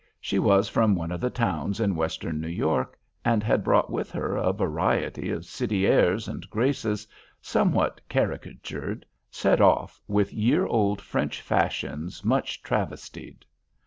She was from one of the towns in Western New York, and had brought with her a variety of city airs and graces somewhat caricatured, set off with year old French fashions much travestied.